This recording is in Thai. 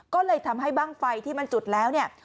ก็เลยทำให้บ้างไฟที่มันจุดแล้วเนี่ย